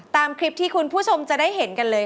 สามารถรับชมได้ทุกวัย